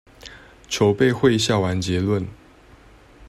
籌備會下完結論